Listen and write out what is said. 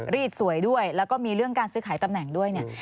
รีดสวยด้วยแล้วก็มีเรื่องการซื้อขายตำแหน่งด้วยเนี่ย